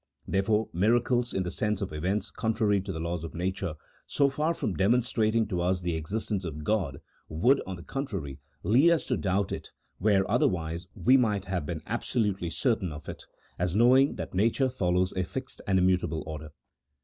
Therefore miracles, in the sense of events contrary to the laws of nature, so far from demonstrating to us the existence of God, would, on the contrary, lead us to doubt it, where, otherwise, we might have been abso lutely certain of it, as knowing that nature follows a fixed and immutable order.